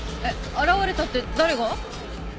現れたって誰が？